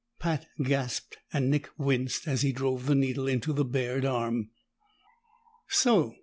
Pat gasped and Nick winced as he drove the needle into the bared arm. "So!"